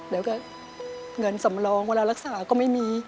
แล้วก็เงินสำรองเวลารักษาก็ไม่มี